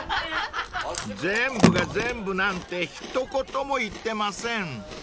［全部が全部なんて一言も言ってません］